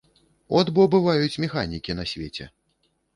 От бо бываюць механікі на свеце!